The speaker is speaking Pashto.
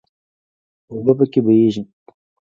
اوبه پکې بهیږي.